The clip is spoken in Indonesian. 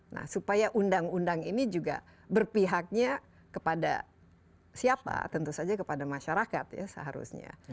nah supaya undang undang ini juga berpihaknya kepada siapa tentu saja kepada masyarakat ya seharusnya